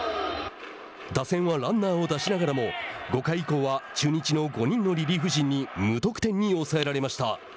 打線はランナーを出しながらも５回以降は中日の５人のリリーフ陣に無得点に抑えられました。